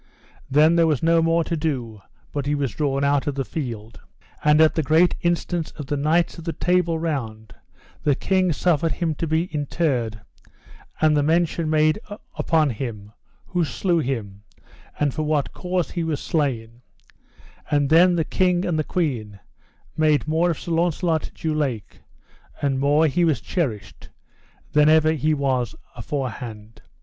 Then there was no more to do, but he was drawn out of the field. And at the great instance of the knights of the Table Round, the king suffered him to be interred, and the mention made upon him, who slew him, and for what cause he was slain; and then the king and the queen made more of Sir Launcelot du Lake, and more he was cherished, than ever he was aforehand.